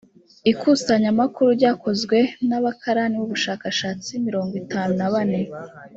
ikusanyamakuru ryakozwe n’abakarani b’ubushakashatsi mirongo itanu na bane.